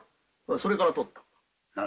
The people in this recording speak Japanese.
それから取ったのだ。